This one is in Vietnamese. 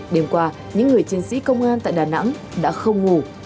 đêm qua những người chiến sĩ công an tại đà nẵng đã không ngủ